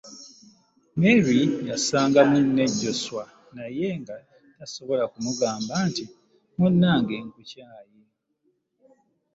Mary yasanga munne Joswa naye nga tasobola kumugamba nti munnange nkukyaye.